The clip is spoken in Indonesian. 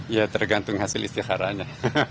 ya tergantung hasil istiharanya